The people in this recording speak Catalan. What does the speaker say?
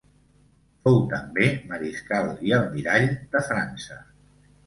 Fou també mariscal i almirall de França.